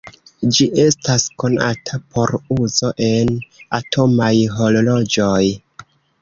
Ĝi estas konata por uzo en atomaj horloĝoj.